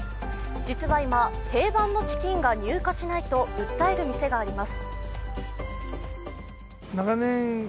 実は今、定番のチキンが入荷しないと訴える店があります。